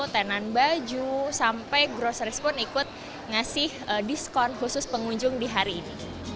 tenan baju sampai groceris pun ikut ngasih diskon khusus pengunjung di hari ini